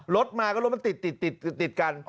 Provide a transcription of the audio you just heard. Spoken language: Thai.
รถมาก็รถมันติดกัน